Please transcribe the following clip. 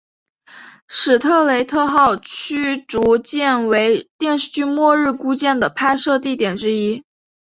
史特雷特号驱逐舰为电视剧末日孤舰的拍摄地点之一